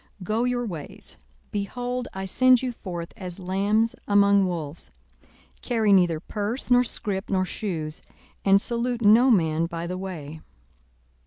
42:010:003 Go your ways: behold, I send you forth as lambs among wolves. 42:010:004 Carry neither purse, nor scrip, nor shoes: and salute no man by the way.